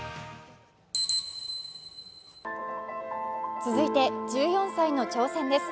続いて１４歳の挑戦です。